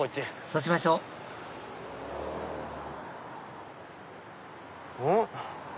そうしましょううん？